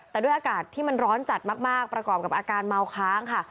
แต่ด้วยอากาศที่มันร้อนจัดมากประกอบกับอาการเมาค้างค่ะ